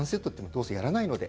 どうせやらないので。